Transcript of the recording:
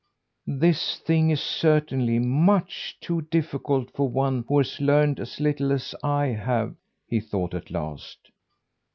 "This thing is certainly much too difficult for one who has learned as little as I have," he thought at last.